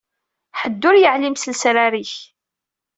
Ḥedd ur yeɛlim s lesrar-ik.